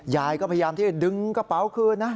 ยายก็พยายามที่จะดึงกระเป๋าคืนนะ